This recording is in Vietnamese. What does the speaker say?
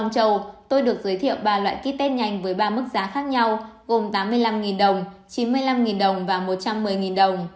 chị my nói